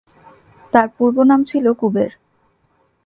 তার পূর্বনাম ছিল কুবের।